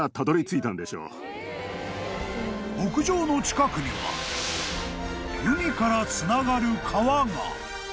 ［牧場の近くには海からつながる川が］